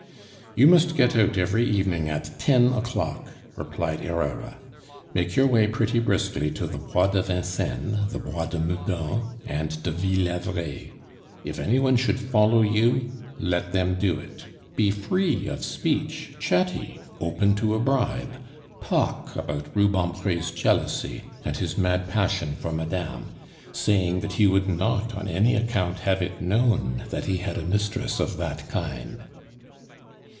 "You must get out every evening at ten o'clock," replied Herrera. "Make your way pretty briskly to the Bois de Vincennes, the Bois de Meudon, and de Ville d'Avray. If any one should follow you, let them do it; be free of speech, chatty, open to a bribe. Talk about Rubempre's jealousy and his mad passion for madame, saying that he would not on any account have it known that he had a mistress of that kind."